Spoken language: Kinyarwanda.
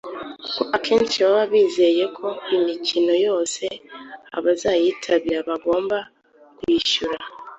kuko akenshi baba bizeye ko imikino yose abazayitabira bagomba kwishyura